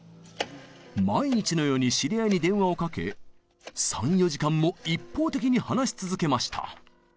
毎日のように知り合いに電話をかけ３４時間も一方的に話し続けました。